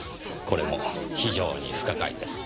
これも非常に不可解です。